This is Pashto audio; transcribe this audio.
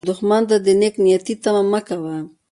دښمن ته د نېک نیتي تمه مه کوه